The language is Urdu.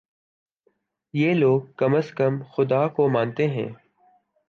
یہ لوگ کم از کم خدا کو مانتے ہیں۔